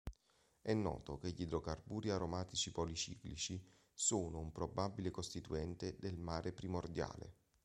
È noto che gli idrocarburi aromatici policiclici sono un probabile costituente del mare primordiale.